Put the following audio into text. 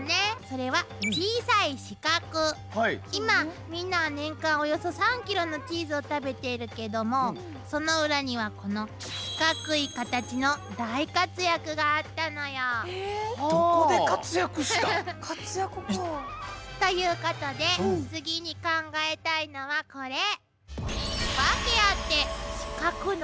それは今みんなは年間およそ３ｋｇのチーズを食べているけどもその裏にはこの活躍かぁ。ということで次に考えたいのはこれ。